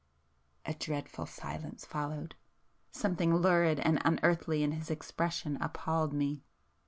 A dreadful silence followed. Something lurid and unearthly in his expression appalled me